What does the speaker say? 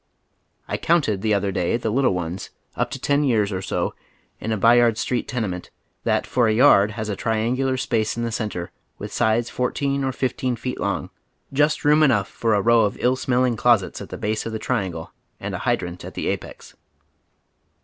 I counted the other day the little ones, up to ten years or so, in a Bayard Street tenement that for a yard lias a triangular space in the centre with sides four teen or fifteen feet long, just room enough for a row of ill snielling closets at the base of the triangle and a hy drant at the apex.